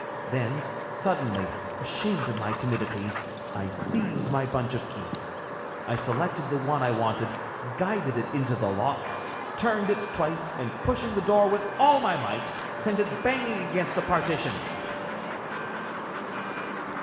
Then, suddenly, ashamed of my timidity, I seized my bunch of keys. I selected the one I wanted, guided it into the lock, turned it twice, and pushing the door with all my might, sent it banging against the partition.